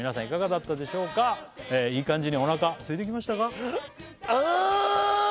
いかがだったでしょうかいい感じにお腹すいてきましたか？